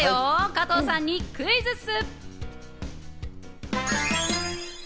加藤さんにクイズッス！